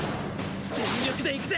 全力でいくぜ！